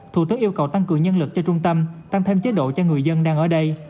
thủ tướng yêu cầu tăng cường nhân lực cho trung tâm tăng thêm chế độ cho người dân đang ở đây